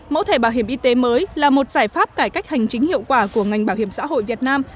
mẫu thẻ bảo hiểm y tế mới là một giải pháp cải cách hành chính hiệu quả của ngành bảo hiểm xã hội việt nam